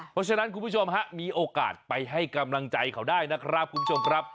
เพราะฉะนั้นคุณผู้ชมฮะมีโอกาสไปให้กำลังใจเขาได้นะครับคุณผู้ชมครับ